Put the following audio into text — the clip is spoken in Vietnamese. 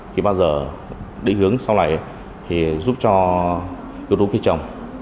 thì bao giờ định hướng sau này thì giúp cho yếu tố cây trồng